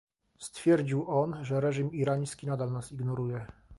Stwierdził on, że reżim irański nadal nas ignoruje